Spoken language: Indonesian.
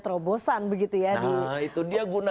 terobosan begitu ya di